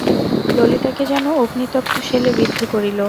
ললিতাকে যেন অগ্নিতপ্ত শেলে বিদ্ধ করিল।